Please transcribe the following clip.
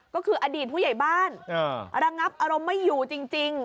ก็คืออดีตผู้ใหญ่บ้านระงับอารมณ์ไม่อยู่จริง